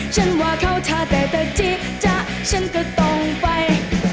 ฉันว่าเขาถ้าแต่จิจะฉันก็ต้องไป